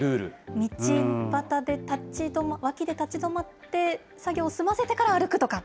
道端で、脇で立ち止まって、作業を済ませてから歩くとか。